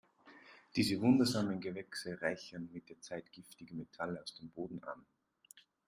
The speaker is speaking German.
Diese wundersamen Gewächse reichern mit der Zeit giftige Metalle aus dem Boden an.